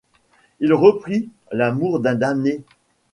Il reprit: — L’amour d’un damné.